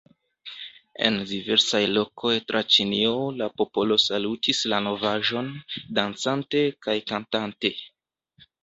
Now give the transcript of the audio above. En diversaj lokoj tra Ĉinio la popolo salutis la novaĵon, dancante kaj kantante.